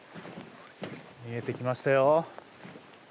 見えてきましたよ。